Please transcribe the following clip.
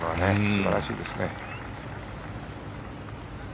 素晴らしいですね。